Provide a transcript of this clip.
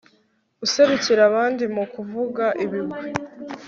userukira abandi mu kuvuga ibigwi